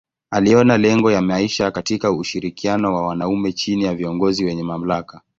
Aliona lengo ya maisha katika ushirikiano wa wanaume chini ya viongozi wenye mamlaka.